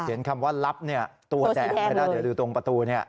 เห็นคำว่าลับเนี่ยตัวแจงไม่ได้เดี๋ยวดูตรงประตูเนี่ย